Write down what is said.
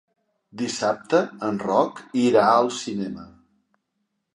Dissabte en Roc irà al cinema.